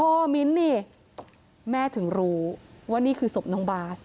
มิ้นนี่แม่ถึงรู้ว่านี่คือศพน้องบาส